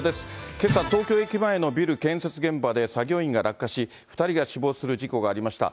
けさ、東京駅前のビル建設現場で作業員が落下し、２人が死亡する事故がありました。